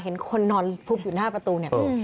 เห็นคนนอนฟุบอยู่หน้าประตูเนี่ย